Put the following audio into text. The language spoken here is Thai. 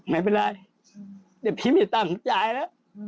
ไม่เป็นไรเดี๋ยวพี่มีตังค์จ่ายแล้ว